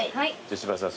柴田さん